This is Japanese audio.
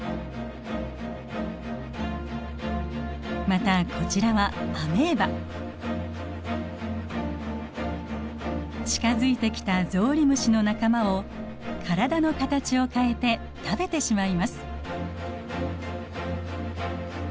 またこちらは近づいてきたゾウリムシの仲間を体の形を変えて食べてしまいます。